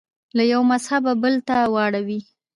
له یوه مذهبه بل ته واوړي